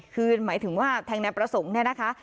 คือหมายถึงว่าแทงนายประสงค์เนี่ยนะคะ